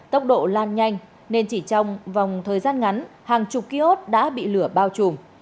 tốc độ lan nhanh nên chỉ trong vòng thời gian ngắn hàng chục kiosk đã bị lửa bao trùm